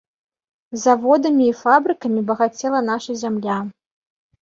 Заводамі і фабрыкамі багацела наша зямля.